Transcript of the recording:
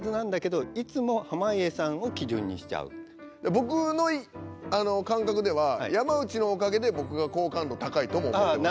僕の感覚では山内のおかげで僕が好感度高いとも思ってます。